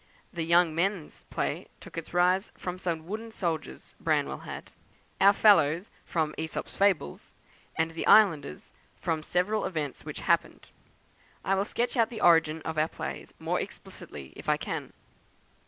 The 'Young Men's' play took its rise from some wooden soldiers Branwell had: 'Our Fellows' from 'AEsop's Fables;' and the 'Islanders' from several events which happened. I will sketch out the origin of our plays more explicitly if I can.